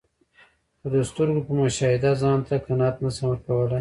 خو د سترګو په مشاهده ځانته قناعت نسم ورکول لای.